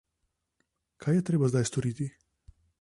Kaj je treba zdaj storiti?